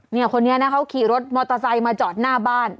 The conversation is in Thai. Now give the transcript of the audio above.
เนี่ยคนนี้นะเขาขี่รถมอเตอร์ไซค์มาจอดหน้าบ้าน